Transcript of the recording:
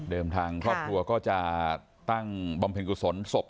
ทางครอบครัวก็จะตั้งบำเพ็ญกุศลศพ